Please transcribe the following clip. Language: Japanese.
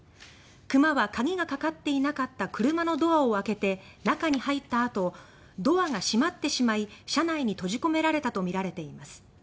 熊は鍵がかかっていなかった車のドアを開けて中に入ったあとドアが閉まってしまい車内に閉じ込められたとみられています。